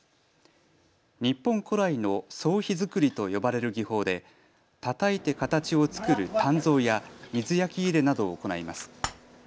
日本古来の総火造りと呼ばれる技法でたたいて形をつくる鍛造や水焼入れなどを行います。